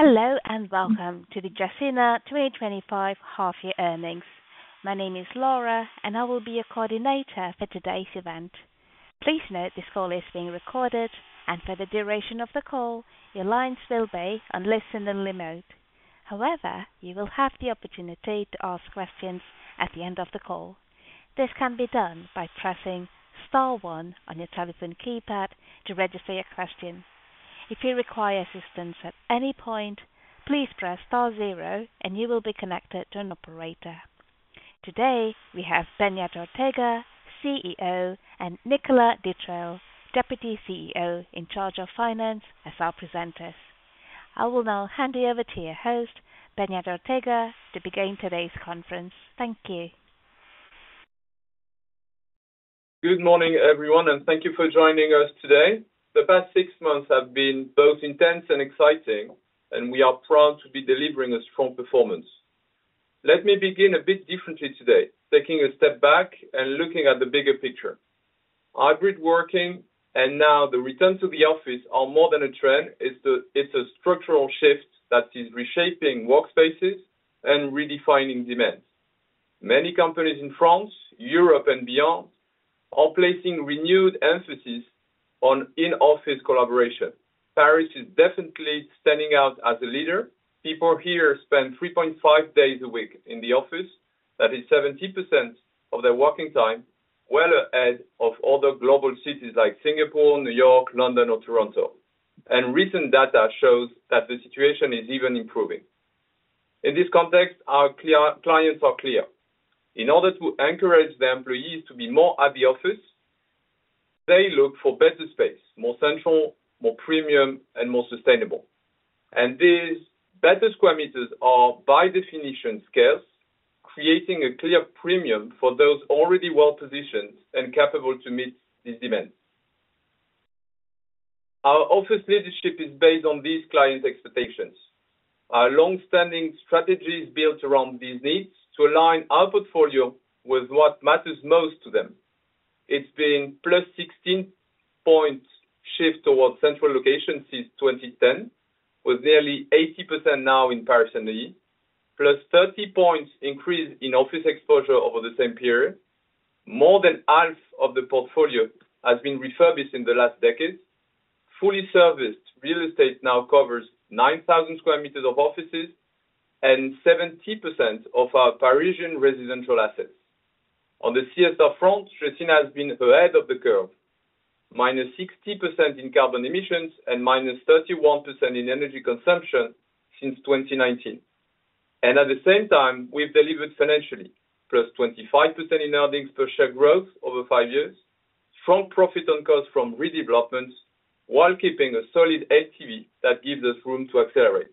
Hello, and welcome to the Jasena twenty twenty five Half Year Earnings. My name is Laura, and I will be your coordinator for today's event. Please note this call is being recorded. And for the duration of the call, your lines will be on listen only mode. However, you will have the opportunity to ask questions at the end of the call. This can be done by pressing star one on your telephone keypad to register your question. Call. Presenters. I will now hand you over to your host, Bernard Ortega, to begin today's conference. Thank you. Good morning, everyone, and thank you for joining us today. The past six months have been both intense and exciting, and we are proud to be delivering a strong performance. Let me begin a bit differently today, taking a step back and looking at the bigger picture. Hybrid working and now the return to the office are more than a trend. It's structural shift that is reshaping workspaces and redefining demand. Many companies in France, Europe and beyond are placing renewed emphasis on in office collaboration. Paris is definitely standing out as a leader. People here spend three point five days a week in the office. That is 70% of their working time, well ahead of other global cities like Singapore, New York, London or Toronto. And recent data shows that the situation is even improving. In this context, our clients are clear. In order to encourage the employees to be more at the office, they look for better space, more central, more premium, and more sustainable. And these better square meters are by definition scarce, creating a clear premium for those already well positioned and capable to meet these demands. Our office leadership is based on these clients' expectations. Our long standing strategy is built around these needs to align our portfolio with what matters most to them. It's been plus 16 points shift towards central locations since 2010, with nearly 80% now in Paris and The EU, plus 30 points increase in office exposure over the same period. More than half of the portfolio has been refurbished in the last decade. Fully serviced real estate now covers 9,000 square meters of offices and 70% of our Parisian residential assets. On the CSR front, Tracina has been ahead of the curve, minus 60% in carbon emissions and minus 31% in energy consumption since 2019. And at the same time, we have delivered financially, plus 25% in earnings per share growth over five years, strong profit on cost from redevelopments, while keeping a solid ATV that gives us room to accelerate.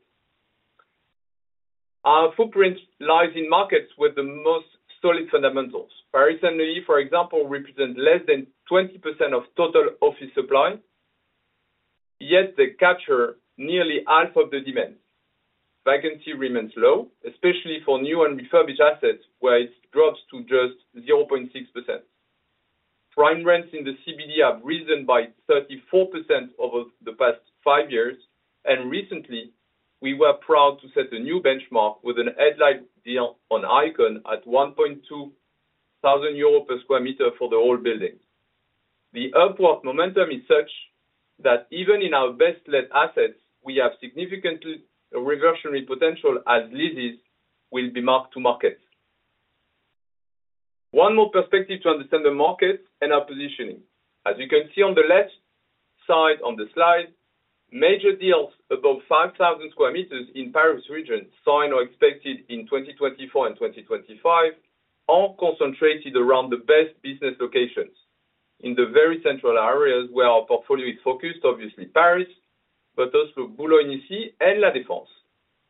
Our footprint lies in markets with the most solid fundamentals. Paris Saint Louis, for example, represents less than 20% of total office supply, yet they capture nearly half of the demand. Vacancy remains low, especially for new and refurbished assets where it drops to just 0.6%. Prime rents in the CBD have risen by 34% over the past five years, and recently, we were proud to set a new benchmark with an headline deal on ICON at €1.2 per square meter for the old building. The upward momentum is such that even in our best led assets, we have significantly reversionary potential as leases will be mark to market. One more perspective to understand the market and our positioning. As you can see on the left side on the slide, major deals above 5,000 square meters in Paris region signed or expected in 2024 and 2025, all concentrated around the best business locations in the very central areas where our portfolio is focused, obviously Paris, but also Boulon Nissy and La Defense.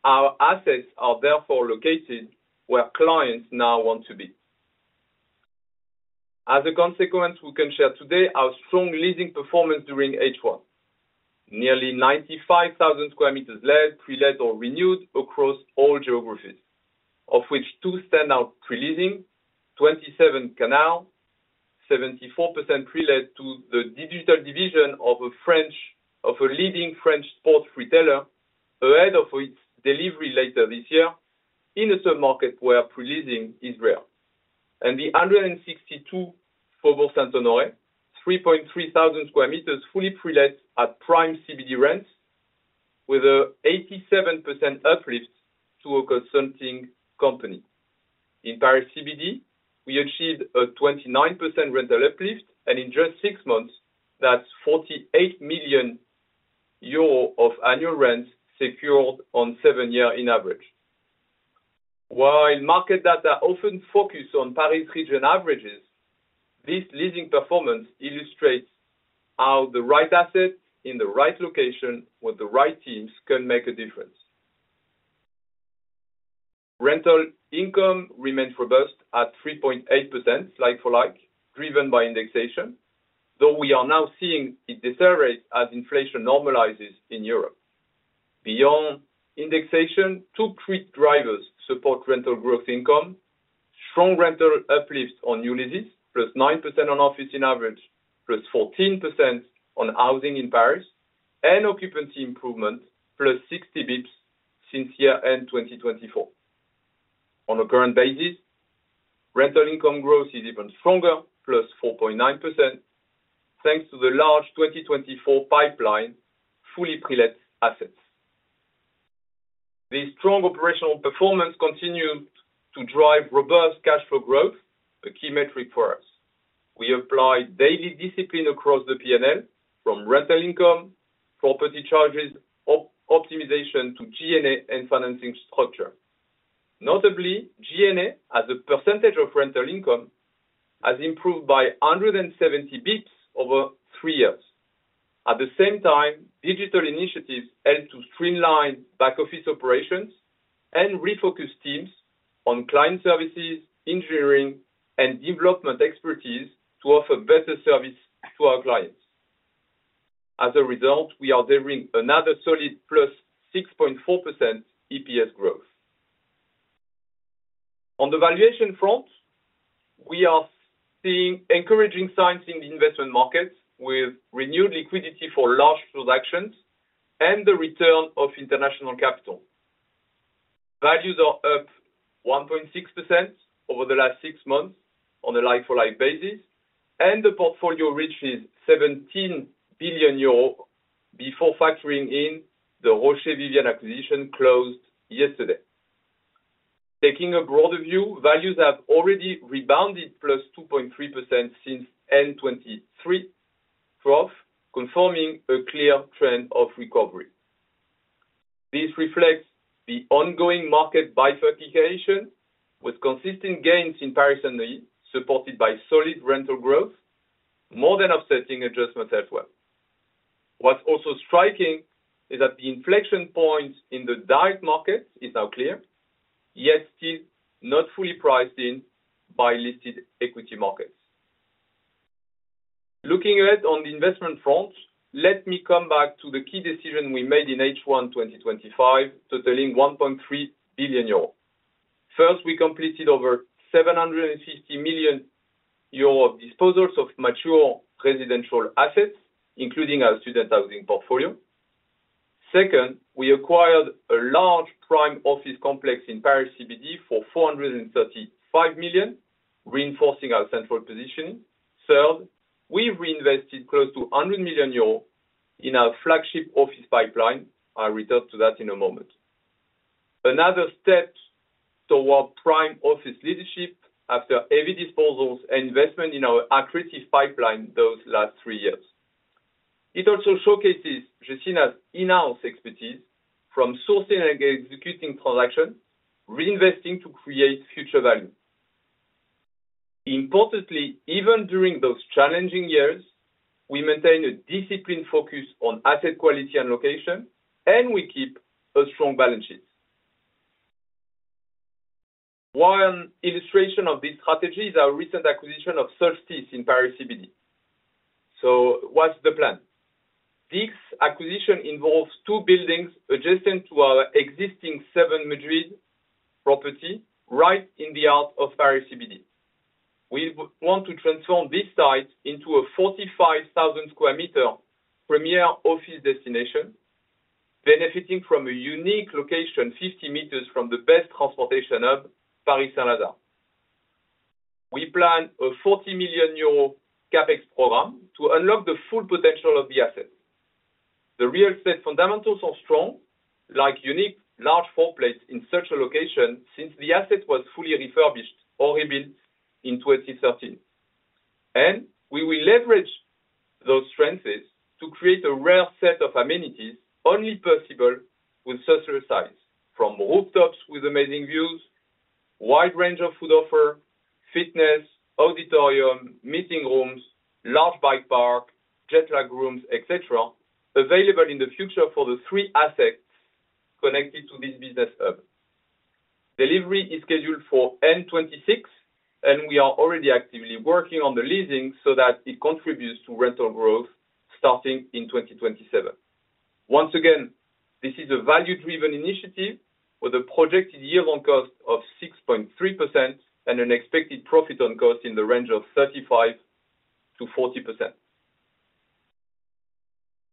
Our assets are therefore located where clients now want to be. As a consequence, we can share today our strong leasing performance during H1. Nearly 95,000 square meters led, pre let or renewed across all geographies, of which two stand out pre leasing: twenty seven Canal, 74% pre led to the digital division of a leading French sports retailer ahead of its delivery later this year in a submarket where pre leasing is real And the 162 Fobos Santonoi, 3,300 square meters fully pre let at prime CBD rents, with an 87% uplift to a consulting company. In Paris CBD, we achieved a 29% rental uplift and in just six months, that's 48 million euros of annual rents secured on seven years in average. While market data often focuses on Paris region averages, this leasing performance illustrates how the right assets in the right location with the right teams can make a difference. Rental income remained robust at 3.8% like for like, driven by indexation, though we are now seeing it decelerate as inflation normalizes in Europe. Beyond indexation, two quick drivers support rental growth income: strong rental uplift on new leases, plus 9% on office in average, plus 14% on housing in Paris and occupancy improvement, plus 60 bps since year end 2024. On a current basis, rental income growth is even stronger, plus 4.9%, thanks to the large 2024 pipeline fully pre let assets. This strong operational performance continued to drive robust cash flow growth, a key metric for us. We applied daily discipline across the P and L, from rental income, property charges, optimization to G and A and financing structure. Notably, G and A as a percentage of rental income has improved by 170 bps over three years. At the same time, digital initiatives help to streamline back office operations and refocus teams on client services, engineering and development expertise to offer better service to our clients. As a result, we are delivering another solid plus 6.4% EPS growth. On the valuation front, we are seeing encouraging signs in the investment markets with renewed liquidity for large transactions and the return of international capital. Values are up 1.6% over the last six months on a like for like basis, and the portfolio reaches 17 billion euros before factoring in the Roche Vivien acquisition closed yesterday. Taking a broader view, values have already rebounded plus 2.3% since N23 trough, confirming a clear trend of recovery. This reflects the ongoing market bifurcation, with consistent gains in Paris and New York, supported by solid rental growth, more than offsetting adjustments as well. What's also striking is that the inflection point in the direct market is now clear, yet still not fully priced in by listed equity markets. Looking ahead on the investment front, let me come back to the key decisions we made in H1 twenty twenty five, totaling €1,300,000,000 First, we completed over €750,000,000 of disposals of mature residential assets, including our student housing portfolio. Second, we acquired a large prime office complex in Paris CBD for €435,000,000 reinforcing our central position. Third, we reinvested close to €100,000,000 in our flagship office pipeline, I'll return to that in a moment, another step towards prime office leadership after heavy disposals and investment in our accretive pipeline those last three years. It also showcases Jacina's in house expertise, from sourcing and executing transactions, reinvesting to create future value. Importantly, even during those challenging years, we maintain a disciplined focus on asset quality and location, and we keep a strong balance sheet. One illustration of this strategy is our recent acquisition of Cerftis in Paris CBD. So what's the plan? This acquisition involves two buildings adjacent to our existing seven Madrid property right in the heart of Paris CBD. We want to transform this site into a 45,000 square meter premier office destination, benefiting from a unique location 50 meters from the best transportation hub, Paris, Canada. We plan a 40 million euro CapEx program to unlock the full potential of the asset. The real estate fundamentals are strong, like unique large floor plates in such a location since the asset was fully refurbished or rebuilt in 2013. And we will leverage those strengths to create a rare set of amenities only possible with social sites, from rooftops with amazing views, wide range of food offer, fitness, auditorium, meeting rooms, large bike park, jet lag rooms, etcetera, available in the future for the three assets connected to this business hub. Delivery is scheduled for N26, and we are already actively working on the leasing so that it contributes to rental growth starting in 2027. Once again, this is a value driven initiative with a projected year on cost of 6.3% and an expected profit on cost in the range of 35 to 40%.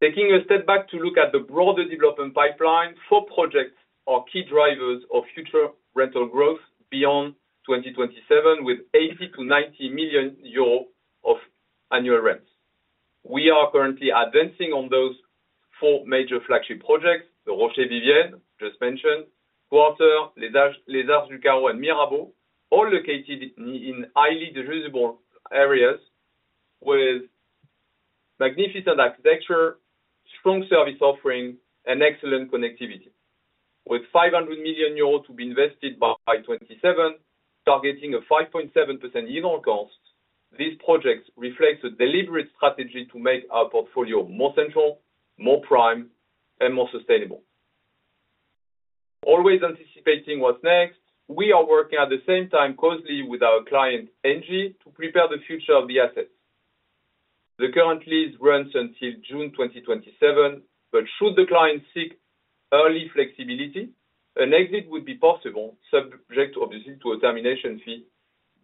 Taking a step back to look at the broader development pipeline, four projects are key drivers of future rental growth beyond 2027 with €80,000,000 to €90,000,000 of annual rents. We are currently advancing on those four major flagship projects, the Roche division, just mentioned, Gorter, Les Arts, Lucara and Mirabeau, all located in highly desirable areas with magnificent architecture, strong service offering and excellent connectivity. With €500,000,000 to be invested by 2027, targeting a 5.7% yield on cost, these projects reflect a deliberate strategy to make our portfolio more central, more prime and more sustainable. Always anticipating what's next, we are working at the same time closely with our client Engie to prepare the future of the assets. The current lease runs until June 2027, but should the client seek early flexibility, an exit would be possible, subject obviously to a termination fee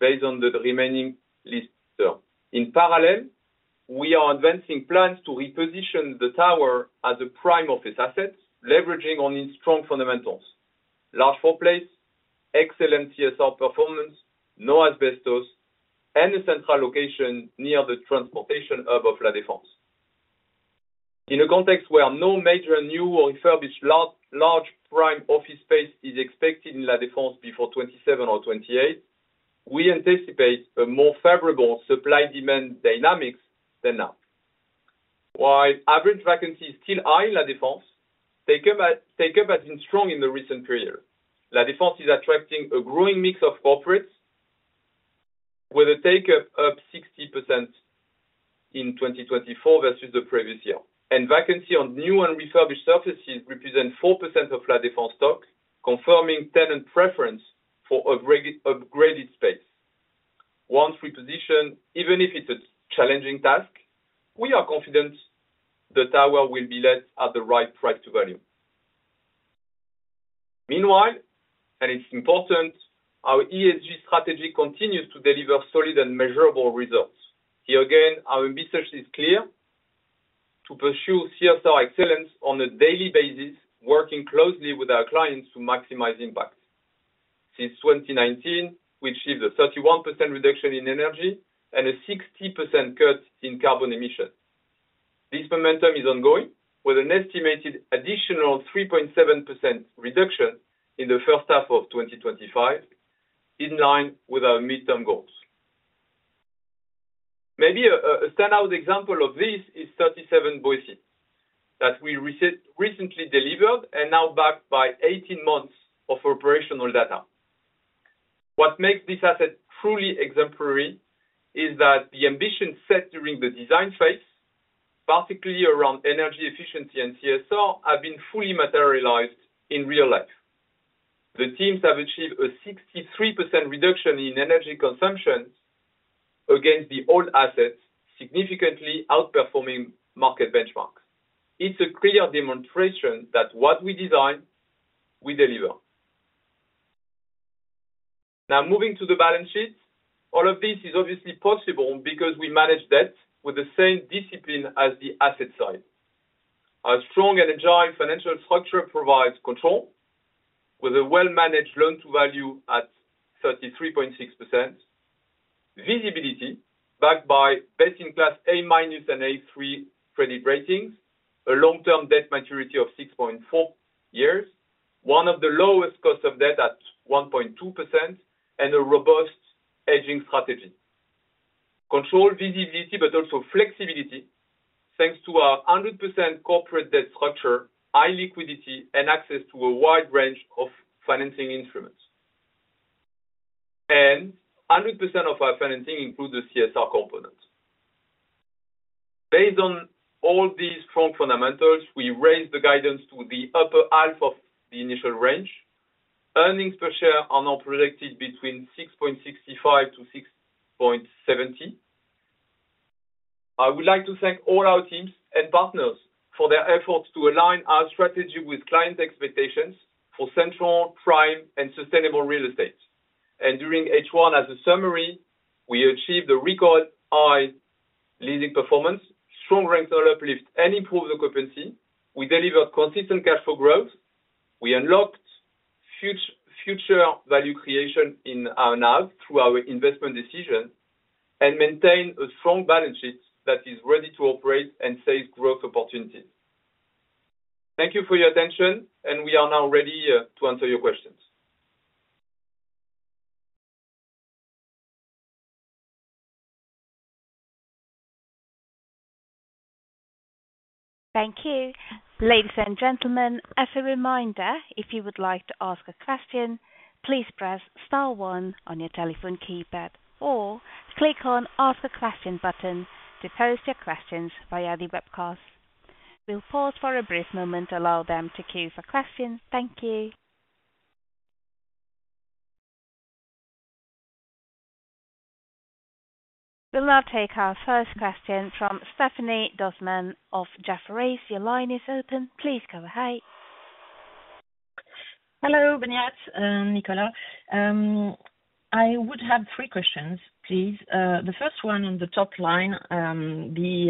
based on the remaining lease term. In parallel, we are advancing plans to reposition the tower as a prime office asset, leveraging on its strong fundamentals: large floor plates, excellent TSR performance, no asbestos, and a central location near the transportation hub of La Defense. In a context where no major new or refurbished prime office space is expected in La Defense before 2027 or 2028, we anticipate a more favorable supplydemand dynamics than now. While average vacancies still are in La Defense, take up has been strong in the recent period. La Defense is attracting a growing mix of corporates with a take up of 60% in 2024 versus the previous year. And vacancy on new and refurbished surfaces represents 4% of La Defense stock, confirming tenant preference for upgraded space. Once repositioned, even if it's a challenging task, we are confident the tower will be led at the right price to value. Meanwhile, and it's important, our ESG strategy continues to deliver solid and measurable results. Here again, our ambition is clear: to pursue CSR excellence on a daily basis, working closely with our clients to maximize impact. Since 2019, we achieved a 31% reduction in energy and a 60% cut in carbon emission. This momentum is ongoing, with an estimated additional 3.7% reduction in the first half of twenty twenty five, in line with our midterm goals. Maybe a standout example of this is 37 Boise that we recently delivered and now backed by eighteen months of operational data. What makes this asset truly exemplary is that the ambitions set during the design phase, particularly around energy efficiency and CSR, have been fully materialized in real life. The teams have achieved a 63% reduction in energy consumption against the old assets, significantly outperforming market benchmarks. It's a clear demonstration that what we design, we deliver. Now moving to the balance sheet. All of this is obviously possible because we manage debt with the same discipline as the asset side. Our strong and agile financial structure provides control, with a well managed loan to value at 33.6%. Visibility, backed by best in class A- and A3 credit ratings a long term debt maturity of six point four years one of the lowest cost of debt at 1.2% and a robust hedging strategy. Controlled visibility but also flexibility, thanks to our 100% corporate debt structure, high liquidity and access to a wide range of financing instruments. And 100% of our financing includes the CSR component. Based on all these strong fundamentals, we raised the guidance to the upper half of the initial range. Earnings per share are now predicted between $6.65 to $6.7 I would like to thank all our teams and partners for their efforts to align our strategy with clients' expectations for central, prime and sustainable real estate. And during H1, as a summary, we achieved a record high leasing performance, strong rental uplift and improved occupancy. We delivered consistent cash flow growth. We unlocked future value creation in R and A through our investment decision and maintained a strong balance sheet that is ready to operate and face growth opportunities. Thank you for your attention, and we are now ready to answer your questions. Thank press star one on your telephone keypad or click on ask a question button to post your questions via the webcast. We'll pause for a brief moment to allow them to queue for questions. Thank you. Take our first question from Stephanie Dossmann of Jefferies. Your line is open. Please go ahead. Hello, Benyat and Nicolas. I would have three questions, please. The first one on the top line, we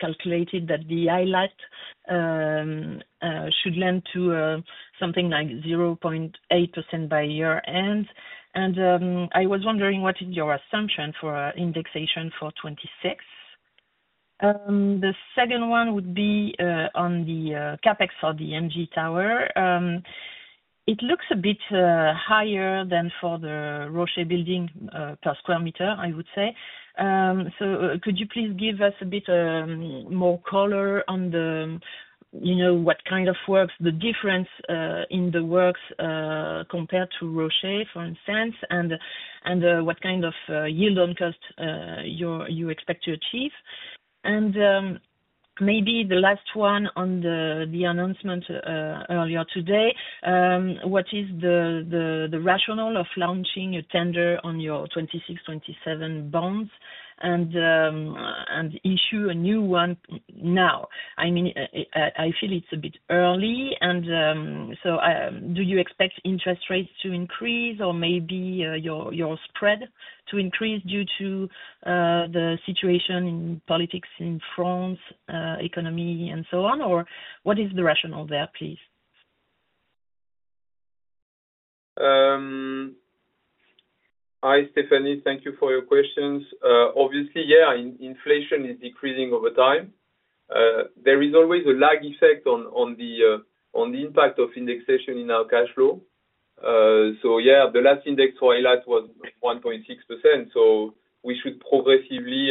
calculated that the highlight should lend to something like 0.8% by year end. And I was wondering what is your assumption for indexation for '26? The second one would be on the CapEx for the MG Tower. It looks a bit higher than for the Roche building per square meter, I would say. So could you please give us a bit more color on the what kind of works, the difference in the works compared to Roche, for instance, and what kind of yield on cost you expect to achieve? And maybe the last one on the announcement earlier today, What is the rationale of launching a tender on your 26, 27 bonds and issue a new one now? I mean, I feel it's a bit early. And so do you expect interest rates to increase or maybe your your spread to increase due to the situation in politics in France, economy and so on? Or what is the rationale there, please? Hi, Stephanie. Thank you for your questions. Obviously, yeah, inflation is decreasing over time. There is always a lag effect on the impact of indexation in our cash flow. So yeah, the last index for ILAT was 1.6%, so we should progressively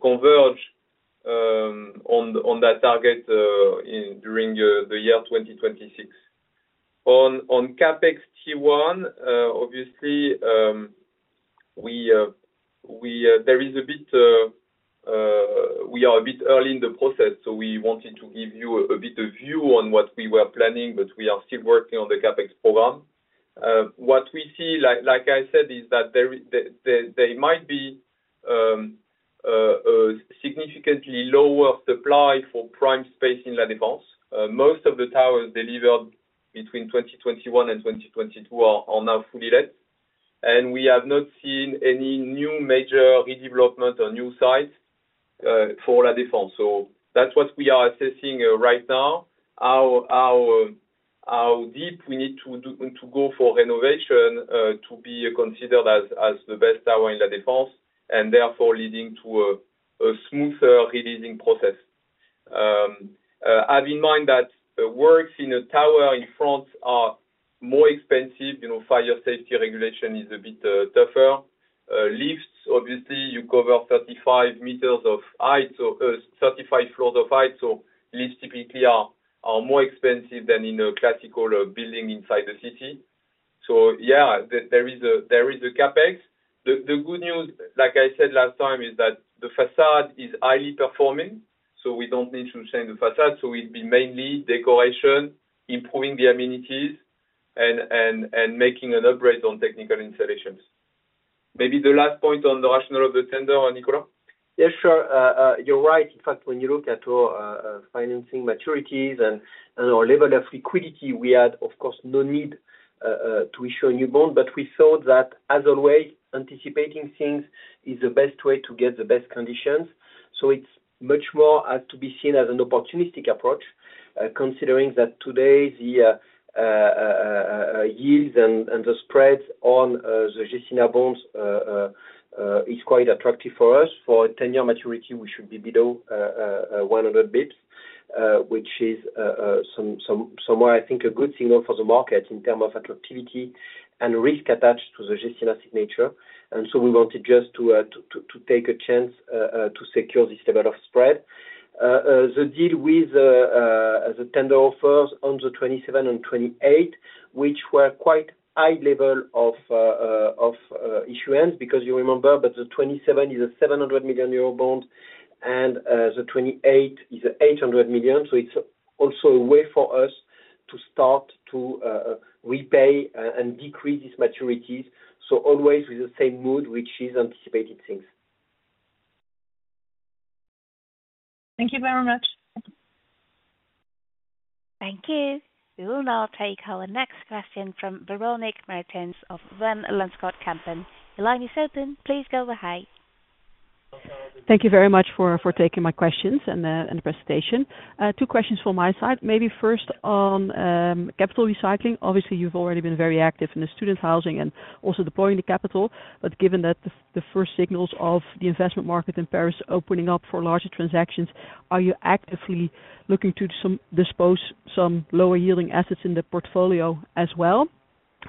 converge on that target during the year 2026. On CapEx T1, obviously, We are a bit early in the process, so we wanted to give you a bit of view on what we were planning, but we are still working on the CapEx program. What we see, like I said, is that might be significantly lower supply for prime space in La Defense. Most of the towers delivered between 2021 and 2022 are now fully let. And we have not seen any new major redevelopment or new sites for La Defense. So that's what we are assessing right now, how deep we need to go for renovation to be considered as the best tower in La Defense, and therefore leading to a smoother releasing process. Having in mind that the works in a tower in France are more expensive. Fire safety regulation is a bit tougher. Lifts, obviously you cover 35 floors of height. Lifts typically are more expensive than in a classical building inside the city. So yeah, there is a CapEx. The good news, like I said last time, is that the facade is highly performing. So we don't need to change the facade. So it will be mainly decoration, improving the amenities, and making an upgrade on technical installations. Maybe the last point on the rationale of the tender, Nicolas? Yes, sure. You're right. In fact, when you look at our financing maturities and our level of liquidity, we had, of course, no need to issue a new bond. But we saw that, as always, anticipating things is the best way to get the best conditions. So it's much more to be seen as an opportunistic approach considering that today the yields and the spreads on the Jussina bonds is quite attractive for us. For a ten year maturity, we should be below 100 bps, which is somewhere, I think, a good signal for the market in terms of activity and risk attached to the GCN asset nature. And so we wanted just to take a chance to secure this level of spread. The deal with tender offers on the '27 and '28, which were quite high level of issuance because you remember that the '27 is a 700 million euro bond and the €28 is €800,000,000 So it's also a way for us to start to repay and decrease these maturities. So always with the same mood, which is anticipated things. Thank you very much. Thank you. We will now take our next question from Veronik Martens of Wenlundskott Campan. Your line is open. Please go ahead. Thank you very much for taking my questions and presentation. Two questions from my side. Maybe first on capital recycling. Obviously, you've already been very active in the student housing and also deploying the capital. But given that the the first signals of the investment market in Paris opening up for larger transactions, are you actively looking to some dispose some lower yielding assets in the portfolio as well?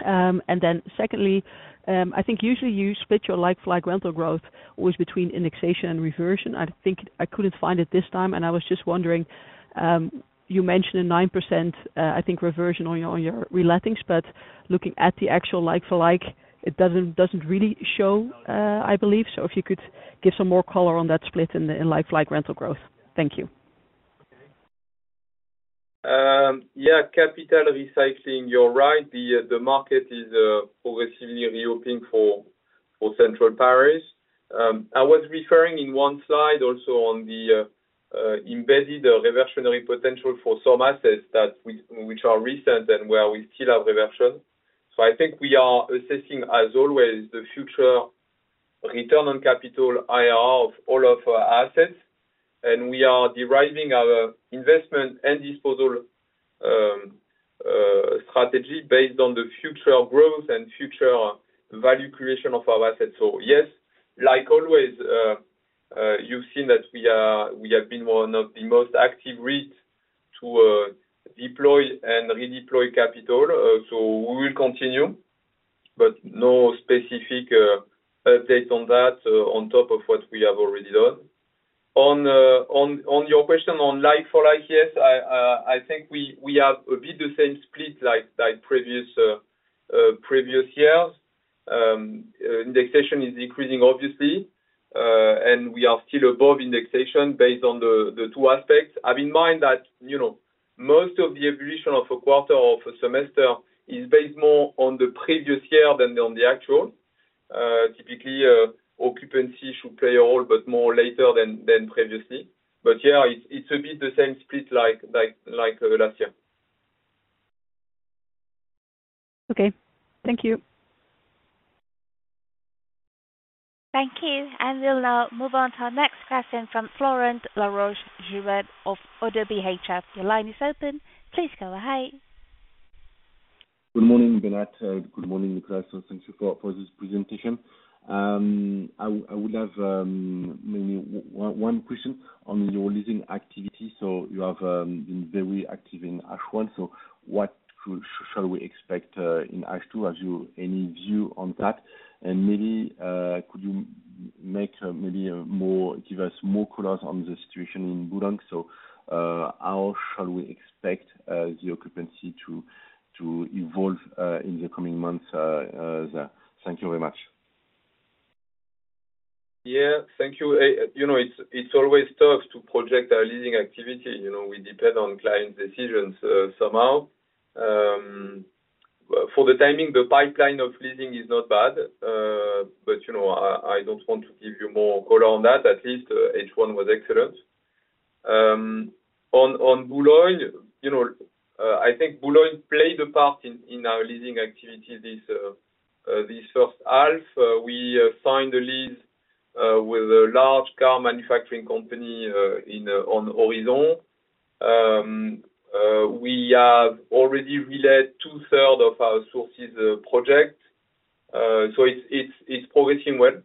And then secondly, I think usually you split your like for like rental growth was between indexation and reversion. I think I couldn't find it this time, and I was just wondering, you mentioned a 9%, I think, reversion on your on your relettings, but looking at the actual like for like, it doesn't really show, I believe. So if you could give some more color on that split in like for like rental growth. Thank you. Capital recycling, you're right. The market is progressively reopening for Central Paris. I was referring in one slide also on the embedded reversionary potential for some assets which are recent and where we still have reversion. So I think we are assessing, as always, the future return on capital IR of all of our assets. And we are deriving our investment and disposal strategy based on the future growth and future value creation of our assets. Yes, like always, you've seen that we have been one of the most active REITs to deploy and redeploy capital. So we will continue, but no specific update on that on top of what we have already done. On your question on like for like, yes, I think we have a bit the same split like previous years. Indexation is decreasing obviously, and we are still above indexation based on the two aspects. Have in mind that most of the evolution of a quarter or a semester is based more on the previous year than on the actual. Typically occupancy should play a role but more later than previously. But yes, it's a bit the same split like last year. Okay. Thank you. Thank you. And we'll now move on to our next question from Florent Laroche Juve of ODDO BHF. Your line is open. Please go ahead. Good morning, Bernard. Good morning, Nicolas. Thank you for this presentation. I would have maybe one question on your leasing activity. So you have been very active in H1. So what should we expect in H2? Have you any view on that? And maybe could you make maybe more give us more colors on the situation in Boulang? So how shall we expect the occupancy to evolve in the coming months, Azer? Thank you very much. Yes. It's always tough to project our leasing activity. We depend on client decisions somehow. For the timing, the pipeline of leasing is not bad, but I don't want to give you more color on that. At least H1 was excellent. On Boulogne, I think Boulogne played a part in our leasing activity We signed a lease with a large car manufacturing company on Aurizon. We have already re led two thirds of our sources of project. So it's progressing well.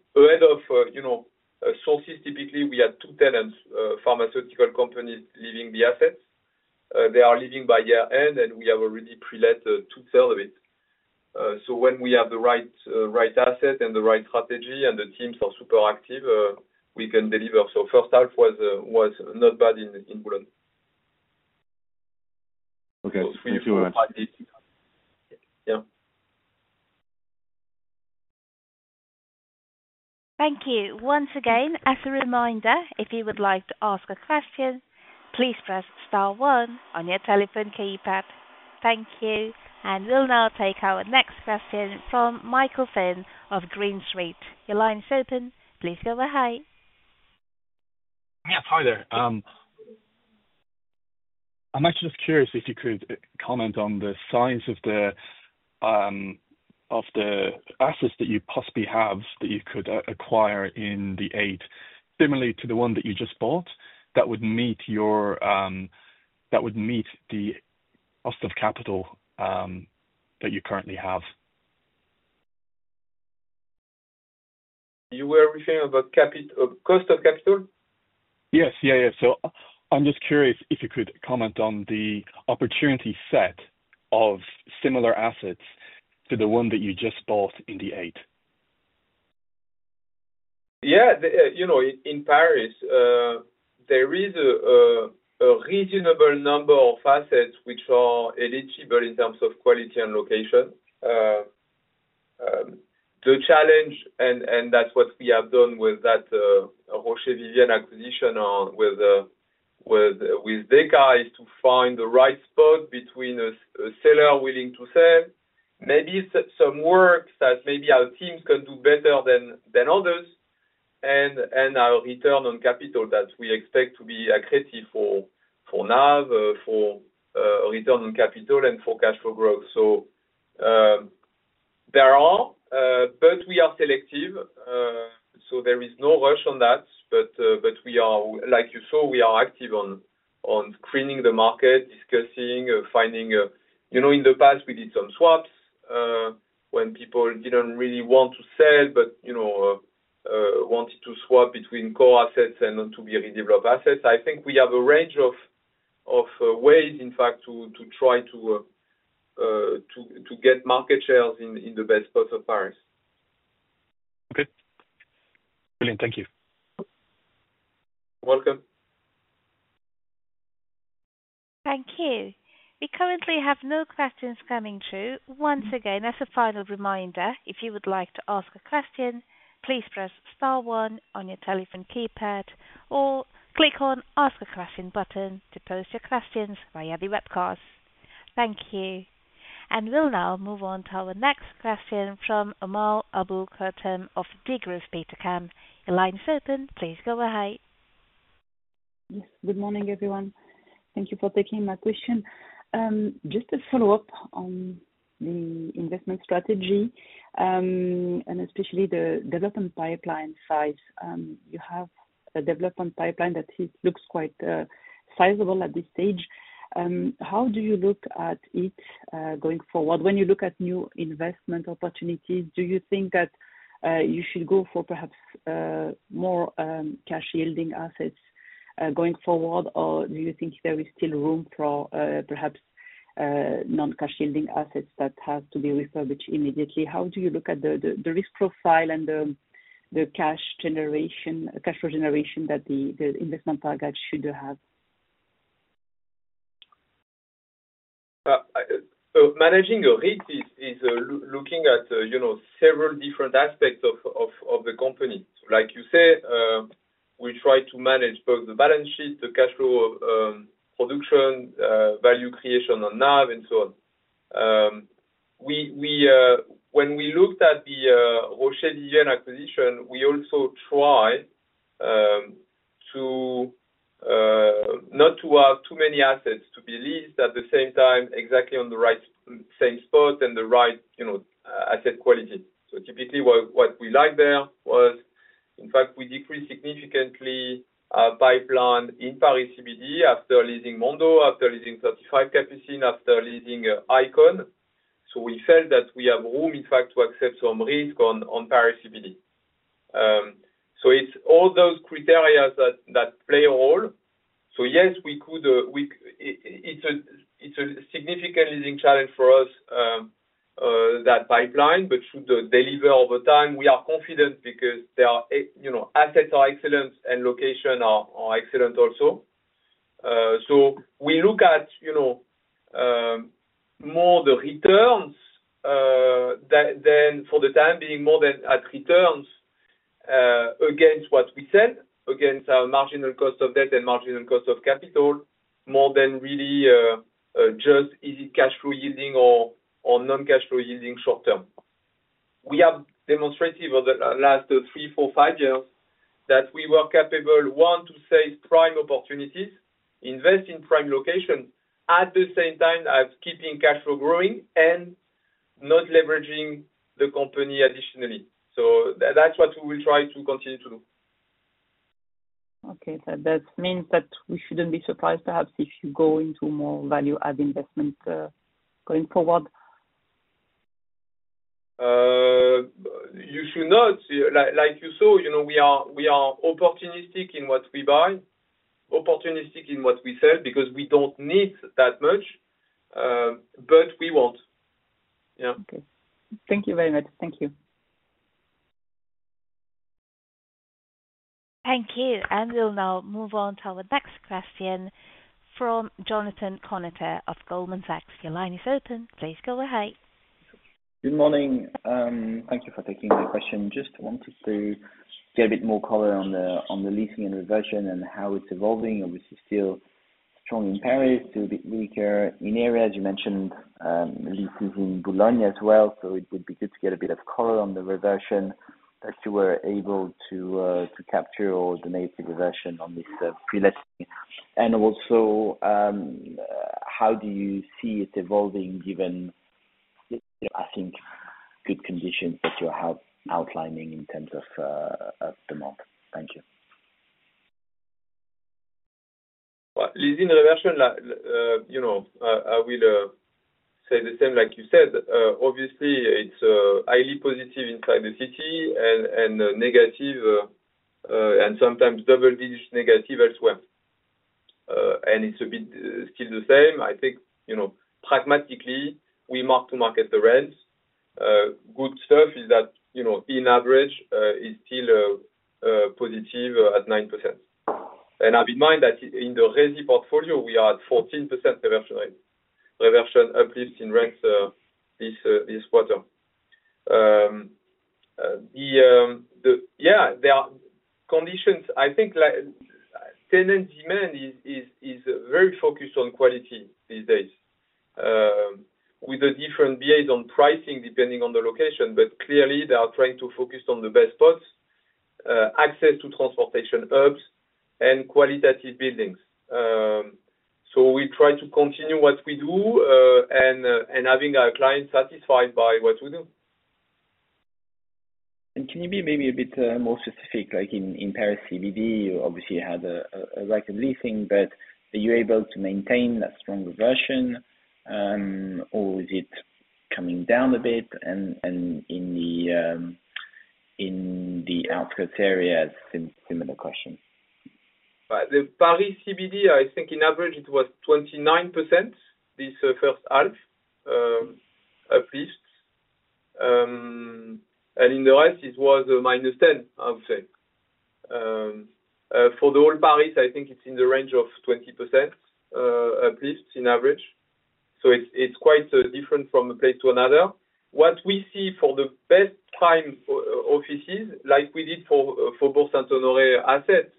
Sources typically we have two tenants, pharmaceutical companies leaving the assets. They are leaving by year end, and we have already pre let twothree of it. So when we have the right asset and the right strategy and the teams are super active, we can deliver. So first half was not bad in Poland. Okay. Okay. You. Thank you. And we'll now take our next question from Michael Finn of Green Street. Your line is open. Please go ahead. Yes. Hi there. I'm actually just curious if you could comment on the size of the of the assets that you possibly have that you could acquire in the eight, similarly to the one that you just bought that would meet your that would meet the cost of capital that you currently have? You were referring about cost of capital? Yes. Yes. Yes. So I'm just curious if you could comment on the opportunity set of similar assets to the one that you just bought in the eight. Yeah. In Paris, there is a reasonable number of assets which are eligible in terms of quality and location. The challenge, and that's what we have done with that Roche division acquisition with Deca, is to find the right spot between a seller willing to sell, maybe some work that maybe our teams can do better than others, and our return on capital that we expect to be accretive for NAV, for return on capital and for cash flow growth. So there are, but we are selective, so there is no rush on that. But we are, like you saw, we are active on screening the market, discussing, finding in the past we did some swaps when people didn't really want to sell, but wanted to swap between core assets and to be redeveloped assets. I think we have a range of ways, in fact, to try to get market shares in the best parts of Paris. Okay. Brilliant. Thank you. Welcome. Thank you. We currently have no questions coming through. Thank you. And we'll now move on to our next question from Amal Aboukhotem of Degroof Betacam. Your line is open. Please go ahead. Yes. Good morning, everyone. Thank you for taking my question. Just a follow-up on the investment strategy and especially the development pipeline size. You have a development pipeline that looks quite sizable at this stage. How do you look at it going forward? When you look at new investment opportunities, do you think that you should go for perhaps more cash yielding assets going forward? Or do you think there is still room for perhaps non cash yielding assets that have to be refurbished immediately? How do you look at the risk profile and the cash cash flow generation that the investment target should Managing the rate is looking at several different aspects of the company. Like you say, we try to manage both the balance sheet, the cash flow production, value creation on NAV and so on. When we looked at the Roche division acquisition, we also try to not to have too many assets to be leased at the same time exactly on the right same spot and the right asset quality. So typically what we like there was, in fact, we decreased significantly our pipeline in Paris CBD after leasing Mondo, after leasing 30 five Capucine, after leasing Icon. So we felt that we have room, in fact, to accept some risk on Paris CBD. So it's all those criteria that play a role. So yes, it's a significant leading challenge for us, that pipeline, but should deliver over time. We are confident because assets are excellent and location are excellent also. So we look at more the returns than for the time being more than returns against what we said, against our marginal cost of debt and marginal cost of capital, more than really just cash flow using or non cash flow using short term. We have demonstrated over the last three, four, five years that we were capable, one, to save prime opportunities, invest in prime locations, at the same time as keeping cash flow growing and not leveraging the company additionally. So that's what we will try to continue to do. Okay. So that means that we shouldn't be surprised perhaps if you go into more value add investments going forward? You should not. Like you saw, we opportunistic in what we buy, opportunistic in what we sell, because we don't need that much, But we won't. Thank you very much. Thank you. Thank you. And we'll now move on to our next question from Jonathan Conator of Goldman Sachs. Your line is open. Please go ahead. Good morning. Thank you for taking my question. Just wanted to get a bit more color on the leasing and reversion and how it's evolving. Obviously, still strong in Paris to a bit weaker in areas. You mentioned leases in Bologna as well. So it would be good to get a bit of color on the reversion that you were able to capture or the negative reversion on this pre listing. And also, how do you see it evolving given, I think, good conditions that you're outlining in terms of demand? Thank you. I will say the same like you said. Obviously, it's highly positive inside the city and negative, and sometimes double digit negative elsewhere. And it's a bit still the same. Think pragmatically, we mark to market the rents. Good stuff is that in average, it's still positive at 9%. And I'll be mindful that in the resi portfolio, are at 14% reversion rate, reversion uplift in rates this quarter. Yes, there are conditions I think tenant demand is very focused on quality these days, with a different BA on pricing depending on the location. But clearly, they are trying to focus on the best spots, access to transportation hubs and qualitative buildings. So we try to continue what we do having our clients satisfied by what we do. And can you be maybe a bit more specific, like in Paris CBD, you obviously had a record leasing, but are you able to maintain that strong reversion? Or is it coming down a bit? And in the Alps area, similar question. The Paris CBD, I think in average, it was 29% this first half, at least. And in the rest, it was minus 10%, I would say. For the whole Paris, I think it's in the range of 20%, at least, in average. So it's quite different from a place to another. What we see for the best prime offices, like we did for both Saint Denore assets,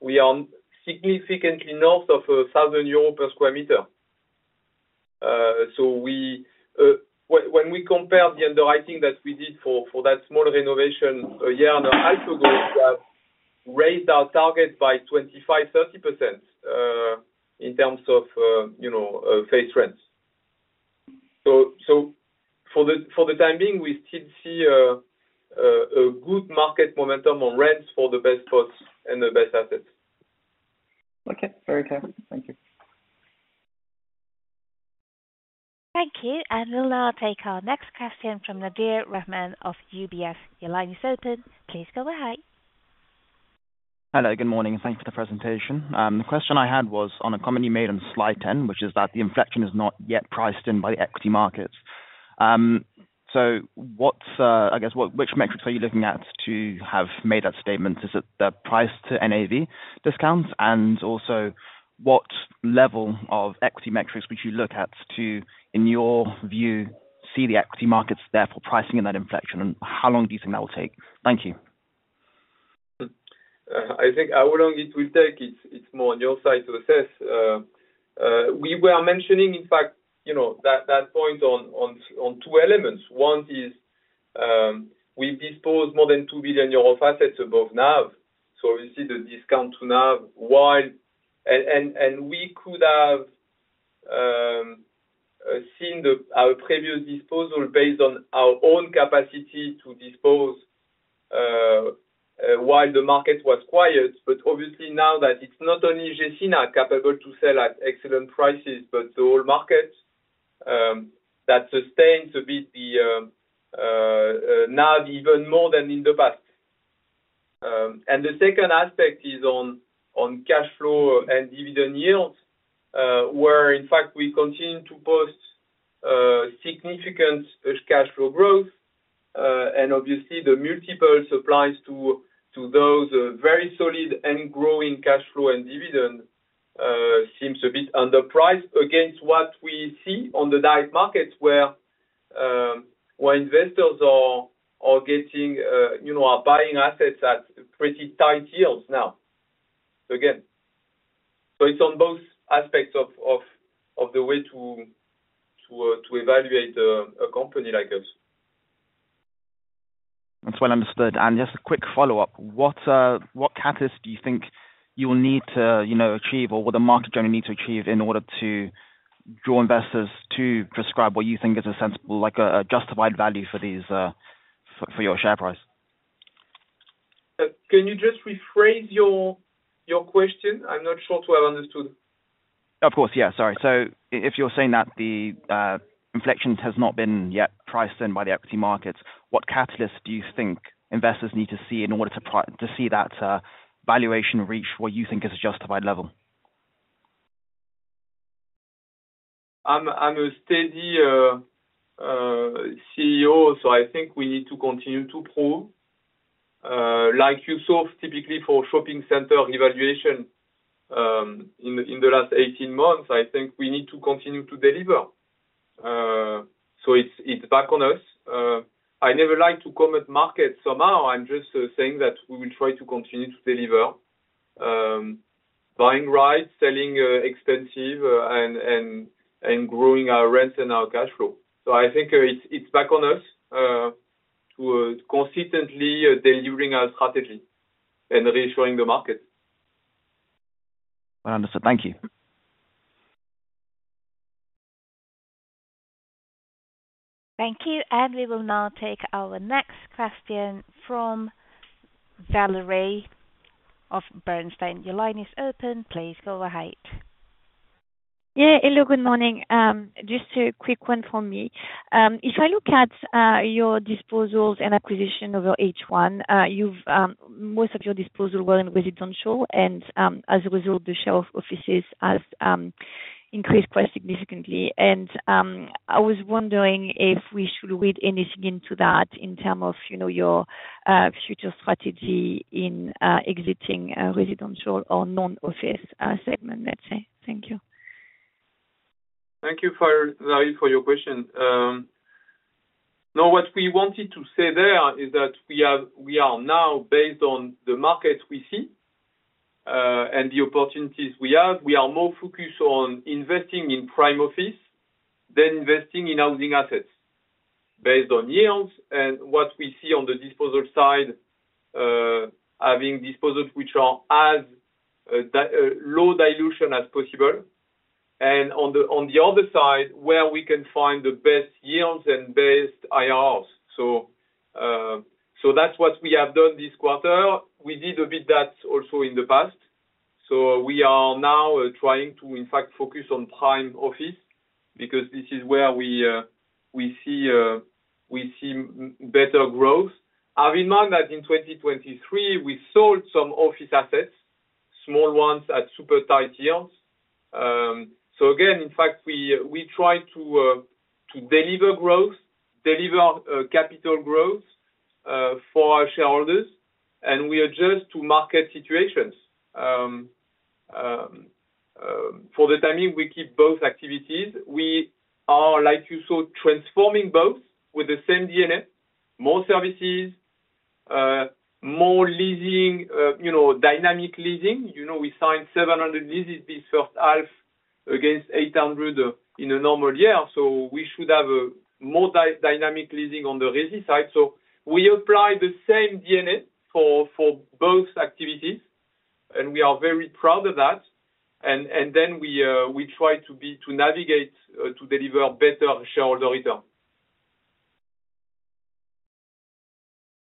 we are significantly north of €1,000 per square meter. So when we compare the underwriting that we did for that smaller renovation a year on a half ago, we have raised our target by 25%, 30% in terms of face rents. So for the time being, we still see a good market momentum on rents for the best spots and the best assets. Okay. Very clear. Thank you. Thank you. And we'll now take our next question from Nadir Rahman of UBS. Your line is open. Please go ahead. Hello. Good morning. Thanks for the presentation. The question I had was on a comment you made on Slide 10, which is that the inflection is not yet priced in by equity markets. So what's I guess, which metrics are you looking at to have made that statement? Is it the price to NAV discounts? And also, what level of equity metrics would you look at to, in your view, see the equity markets, therefore, pricing in that inflection? And how long do you think that will take? Thank you. I think how long it will take, it's more on your side to assess. We were mentioning, in fact, that point on two elements. One is we disposed more than €2,000,000,000 of assets above NAV. So obviously the discount to NAV. We could have seen our previous disposal based on our own capacity to dispose while the market was quiet. But obviously now that it's not only JACINA capable to sell at excellent prices, but the whole market that sustains a bit now even more than in the past. And the second aspect is on cash flow and dividend yields, where in fact we continue to post significant cash flow growth. And obviously, the multiples applies to those very solid and growing cash flow and dividend seems a bit underpriced against what we see on the direct markets where investors are buying assets at pretty tight yields now. So it's on both aspects of the way to evaluate a company like us. That's well understood. And just a quick follow-up. What catalysts do you think you will need to achieve, or what the market generally need to achieve, in order to draw investors to prescribe what you think is a sensible, like a justified value for your share price? Can you just rephrase your question? I'm not sure to have understood. Of course. Yes. Sorry. So if you're saying that the inflection has not been yet priced in by the equity markets, what catalyst do you think investors need to see in order to see that valuation reach what you think is a justified level? I'm a steady CEO, so I think we need to continue to prove. Like you saw typically for shopping center evaluation in the last eighteen months, I think we need to continue to deliver. So it's back on us. I never like to comment market somehow. I'm just saying that we will try to continue to deliver. Buying right, selling expensive and growing our rents and our cash flow. So I think it's back on us to consistently delivering our strategy and reassuring the market. Understood. Thank you. Thank you. And we will now take our next question from Just a quick one for me. If I look at your disposals and acquisition of your H1, you've most of your disposal were in residential. And as a result, the share of offices has increased quite significantly. And I was wondering if we should read anything into that in terms of your future strategy in exiting residential or non office segment, let's say? Thank you. Thank you, Larry, for your question. What we wanted to say there is that we are now, based on the markets we see and the opportunities we have, we are more focused on investing in prime office than investing in housing assets based on yields. And what we see on the disposal side, having disposals which are as low dilution as possible. And on the other side, where we can find the best yields and best So that's what we have done this quarter. We did a bit that also in the past. So we are now trying to, in fact, focus on prime office because this is where we see better growth. I remind that in 2023, we sold some office assets, small ones at super tight yields. So again, in fact, we try to deliver growth, deliver capital growth for our shareholders and we adjust to market situations. For the time being, we keep both activities. We are, like you saw, transforming both with the same DNA, more services, more dynamic leasing. We signed 700 leases this first half against 800 in a normal year. So we should have a more dynamic leasing on the resi side. So we apply the same DNA for both activities and we are very proud of that. And then we try to navigate to deliver better shareholder return.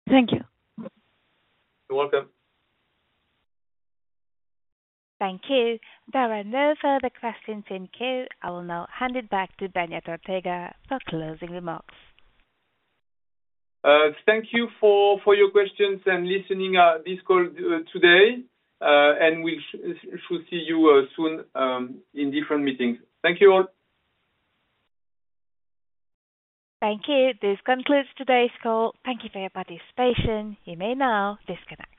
Thank you. You're welcome. Thank you. There are no further questions in queue. I will now hand it back to Daniel Tortega for closing remarks. Thank you for your questions and listening this call today. And we should see you soon in different meetings. Thank you all. Thank you. This concludes today's call. Thank you for your participation. You may now disconnect.